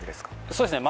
そうですね